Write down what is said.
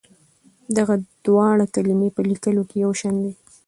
دغه دواړه کلمې په لیکلو کې یو شان دي.